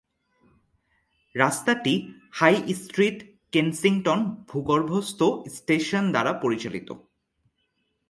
রাস্তাটি high street Kensington ভূগর্ভস্থ station দ্বারা পরিচালিত।